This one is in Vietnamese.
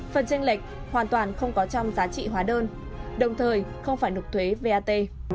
phần tranh lệch hoàn toàn không có trong giá trị hóa đơn đồng thời không phải nộp thuế vat